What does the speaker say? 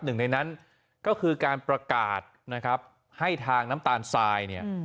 หนึ่งในนั้นก็คือการประกาศนะครับให้ทางน้ำตาลทรายเนี่ย